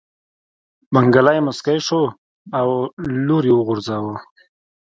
منګلی موسکی شو لور يې وغورځوه.